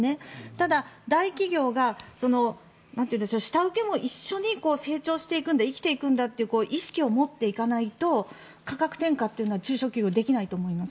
ただ、大企業が下請けも一緒に成長していくんだ生きていくんだという意識を持っていかないと価格転嫁というのは中小企業、できないと思います。